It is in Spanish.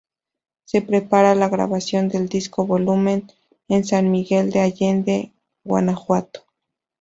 Se prepara la grabación del disco "Volumen" en San Miguel de Allende, Gto.